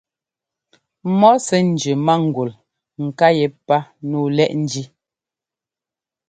Mɔ́ sɛ́ njʉ mángul nká yɛ́pá nǔu lɛ́ʼ njí.